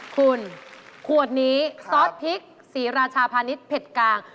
คุณขวดนี้ซอสพริกศรีราชาพาณิชย์เผ็ดกลาง